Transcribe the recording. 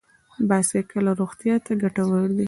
بایسکل روغتیا ته ګټور دی.